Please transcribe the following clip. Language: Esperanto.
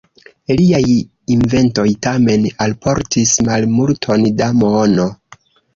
Liaj inventoj tamen alportis malmulton da mono.